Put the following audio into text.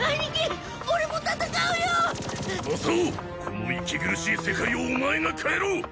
この息苦しい世界をオマエが変えろ！